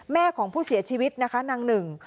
แม่ของผู้เสียชีวิตนะคะนางหนึ่ง